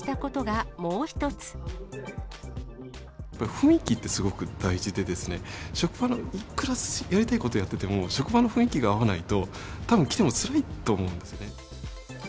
雰囲気ってすごく大事でですね、職場でいくらやりたいことをやってても、職場の雰囲気が合わないと、たぶん来てもつらいと思うんですよね。